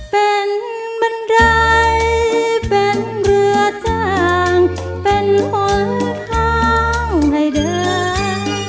เป็นบันไดเป็นเรือจ้างเป็นหนทางให้เดิน